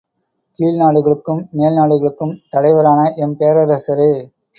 கீழ் நாடுகளுக்கும் மேல்நாடுகளுக்கும் தலைவரான எம் பேரரசரே!